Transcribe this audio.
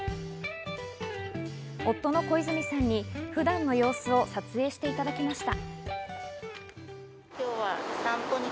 夫の小泉さんに普段の様子を撮影していただきました。